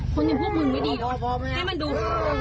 คนอย่างพวกมึงไว้ดีหรอให้มันดู